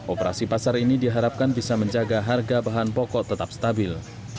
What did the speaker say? operasi pasar ini diharapkan bisa menjaga harga bahan pokok tetap stabil